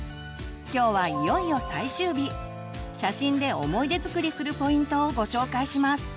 今日はいよいよ最終日写真で思い出づくりするポイントをご紹介します！